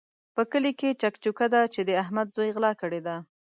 په کلي کې چک چوکه ده چې د احمد زوی غلا کړې ده.